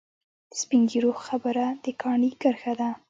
د سپین ږیرو خبره د کاڼي کرښه ده.